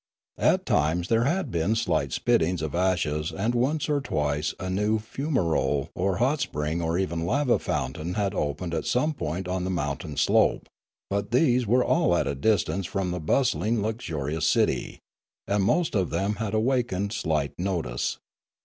At times there had been slight spittings of ashes and once or twice a new fumarole or hot spring or even lava fountain had opened at some point on the mountain slope; but these were all at a distance from the bustling, luxurious city; and most of them had awakened slight notice.